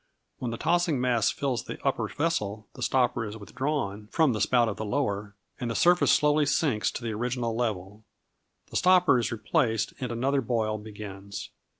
When the tossing mass fills the upper vessel, the stopper is withdrawn from the spout of the lower, and the surface slowly sinks to the original level. The stopper is replaced, and another boil begins.